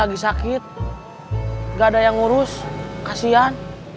lagi sakit gak ada yang ngurus kasihan